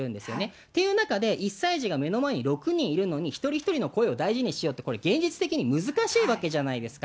いう中で、１歳児が目の前に６人いるのに、一人一人の声を大事にしようって、これ現実的に難しいわけじゃないですか。